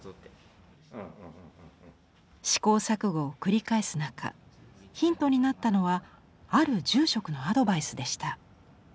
試行錯誤を繰り返す中ヒントになったのはある住職のアドバイスでした。